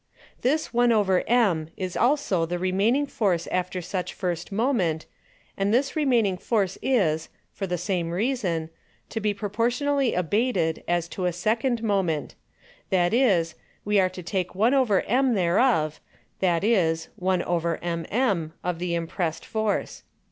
7. This 1/_m_ is also the remaining Force after such first Moment; and this remaining Force is (for the same Reason) to be proportionally abated as to a second Moment; that is, we are to take 1/_m_ thereof, that is 1/_mm_ of the impressed Force.